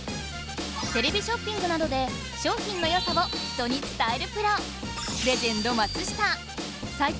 テレビショッピングなどで商品の良さを人に伝えるプロ！